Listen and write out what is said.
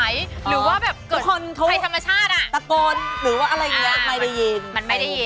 หรือว่าแบบกดใครธรรมชาติอะ